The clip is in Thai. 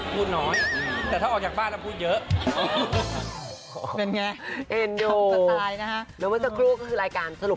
แบบการเขลียร์ก็ต้องบอกอย่างนี้